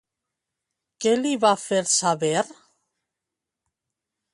Què li va fer saber?